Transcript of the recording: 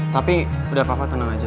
tapi udah papa tenang aja